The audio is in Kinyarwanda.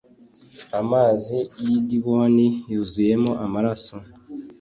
Amazi y’i Diboni yuzuyemo amaraso,